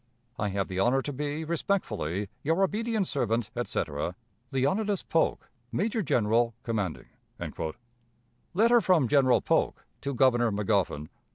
"I have the honor to be, respectfully, "Your obedient servant, etc., "Leonidas Polk, "Major General commanding." _Letter from General Polk to Governor Magoffin.